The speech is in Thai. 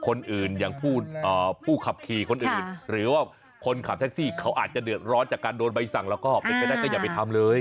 คนอื่นอย่างผู้ขับขี่คนอื่นหรือว่าคนขับแท็กซี่เขาอาจจะเดือดร้อนจากการโดนใบสั่งแล้วก็เป็นไปได้ก็อย่าไปทำเลย